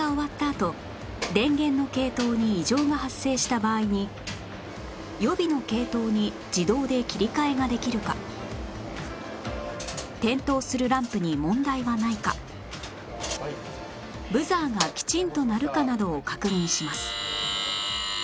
あと電源の系統に異常が発生した場合に予備の系統に自動で切り替えができるか点灯するランプに問題はないかブザーがきちんと鳴るかなどを確認します